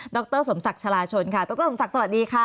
รสมศักดิ์ชาลาชนค่ะดรสมศักดิ์สวัสดีค่ะ